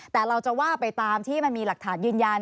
แต่เราจะว่าไปตามที่มันมีหลักฐานยืนยัน